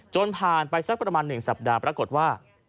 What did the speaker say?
จนผ่านไปสักประมาณ๑สัปดาห์ปรากฏว่า